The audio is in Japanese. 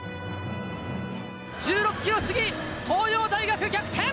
１６キロ過ぎ、東洋大学逆転！